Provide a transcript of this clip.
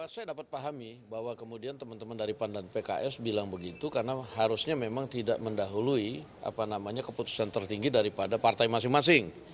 saya dapat pahami bahwa kemudian teman teman dari pan dan pks bilang begitu karena harusnya memang tidak mendahului keputusan tertinggi daripada partai masing masing